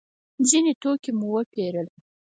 ځینې توکي مو وپېرل.